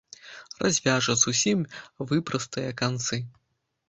Развяжа, зусім выпрастае канцы.